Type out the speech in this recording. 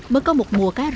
mới có một mùa cá rộ thế này